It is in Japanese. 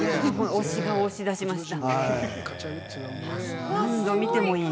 推しが、押し出しました。